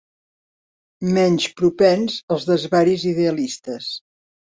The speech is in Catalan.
...menys propens als desvaris idealistes.